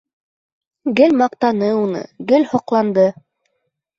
Гел маҡтаны уны, гел һоҡланды.